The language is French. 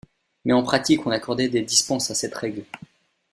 Mais en pratique, on accordait des dispenses à cette règle.